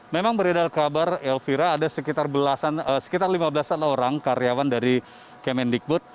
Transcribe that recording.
memang beredar kabar elvira ada sekitar lima belas an orang karyawan dari kemendikbud